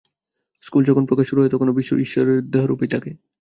স্থূল প্রকাশ যখন শুরু হয়, তখনও বিশ্ব ঈশ্বরের দেহরূপেই থাকে।